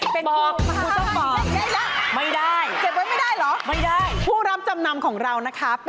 เป็นคู่พาหันได้แล้ว